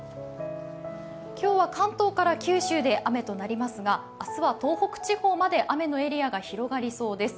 今日は関東から九州で雨となりますが、明日は東北地方まで雨のエリアが広がりそうです。